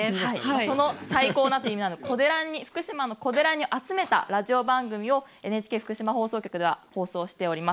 その福島のこでらんにを集めたラジオ番組をＮＨＫ福島放送局では放送しております。